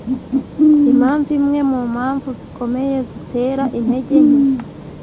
Impamvu imwe mu mpamvu zikomeye zitera intege nke